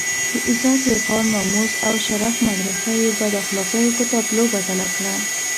د عزت، وقار، ناموس او شرف مدرسه یې بد اخلاقيو په تابلو بدله کړه.